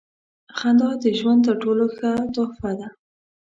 • خندا د ژوند تر ټولو ښه تحفه ده.